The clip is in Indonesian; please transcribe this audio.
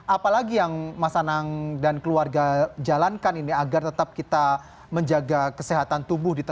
apalagi yang mas anang dan keluarga jalankan ini agar tetap kita menjaga kesehatan tubuh kita